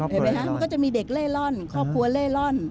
เห็นไหมคะมันก็จะมีเด็กเล่ร่อนครอบครัวเล่ร่อน